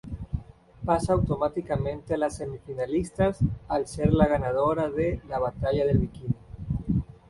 Pasa automáticamente a las semifinalistas al ser la ganadora de "La Batalla del Bikini".